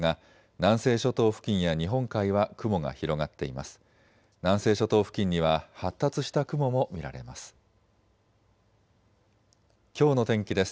南西諸島付近には発達した雲も見られます。